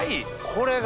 これが。